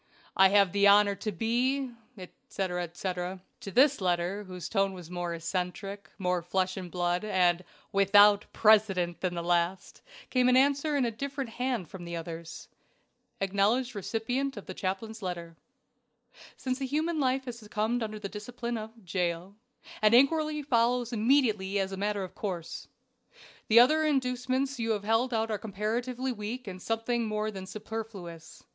"I have the honor to be, etc., etc." To this letter, whose tone was more eccentric, more flesh and blood, and WITHOUT PRECEDENT, than the last, came an answer in a different hand from the others. " acknowledged receipt of the chaplain's letter. "Since a human life has succumbed under the discipline of Jail, an inquiry follows immediately as a matter of course. The other inducements you have held out are comparatively weak and something more than superfluous.